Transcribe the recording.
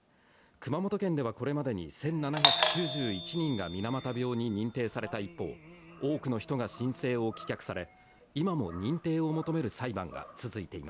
熊本県ではこれまでに１７９１人が水俣病に認定された一方、多くの人が申請を棄却され、今も認定を求める裁判が続いてい